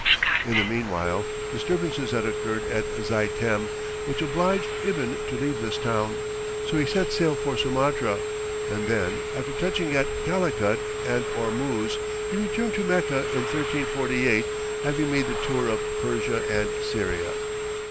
In the meanwhile, disturbances had occurred at Zaitem, which obliged Ibn to leave this town, so he set sail for Sumatra, and then after touching at Calicut and Ormuz, he returned to Mecca in 1348, having made the tour of Persia and Syria.